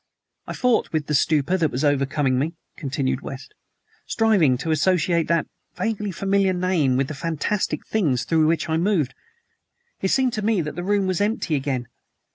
"I fought with the stupor that was overcoming me," continued West, "striving to associate that vaguely familiar name with the fantastic things through which I moved. It seemed to me that the room was empty again.